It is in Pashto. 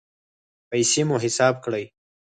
پیسې مو حساب کړئ